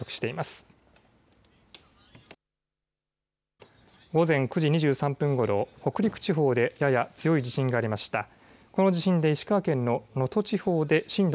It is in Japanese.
午前９時２３分ごろ、北陸地方でやや強い地震がありました。